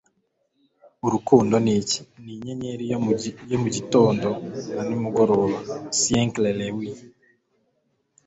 urukundo ni iki? ni inyenyeri yo mu gitondo na nimugoroba. - sinclair lewis